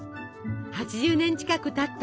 ８０年近くたった